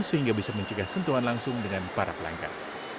sehingga bisa mencegah sentuhan langsung dengan para pelanggan